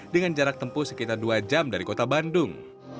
dengan jarak tempuh sekitar dua jam dari kota bandung